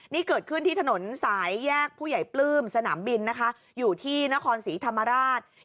นี่เกิดขึ้นที่ถนนสายแยกผู้ใหญ่ปลื้มสนามบินนะคะอยู่ที่นครศรีธรรมราช